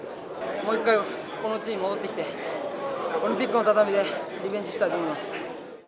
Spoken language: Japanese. もう一回この地に戻ってきて、オリンピックの畳でリベンジしたいと思います。